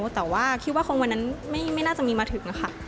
แต่ว่าคิดว่าของวันนั้นไม่น่าจะมีมาถึงนะคะ